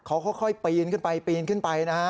เค้าค่อยปีนขึ้นไปขึ้นไปนะ